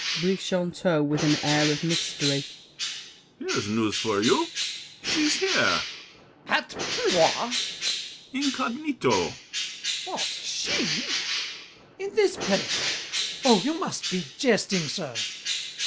BRICHANTEAU (with an air of mystery). Here's news for you. She's here! GASSÉ. At Blois? BRICHANTEAU. Incognito! GASSÉ. What! she? In this place? Oh, you must be jesting, sir!